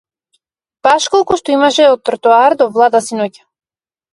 Баш колку што имаше од тротоар до влада синоќа.